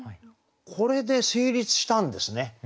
これで成立したんですね